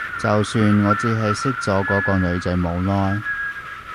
就算我只係識咗嗰個女仔冇耐